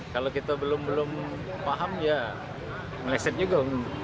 kalau kita belum paham ya meleset juga